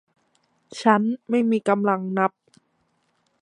ฉันไม่มีกำลังนับ